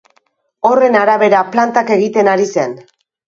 Horren arabera, plantak egiten ari zen.